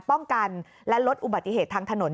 ป้องกันและลดอุบัติเหตุทางถนน